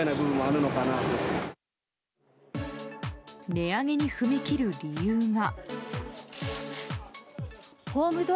値上げに踏み切る理由が。